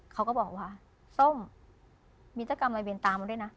เขาก็บอกว่าส้มมิจกรรมรายเบียนตามด้วยนะ